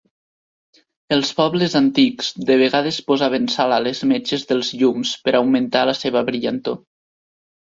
Els pobles antics de vegades posaven sal a les metxes dels llums per augmentar la seva brillantor.